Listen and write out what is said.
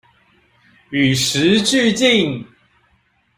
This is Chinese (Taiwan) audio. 與時俱進